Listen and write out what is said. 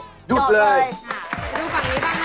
มาดูฝั่งนี้บ้างนะคะ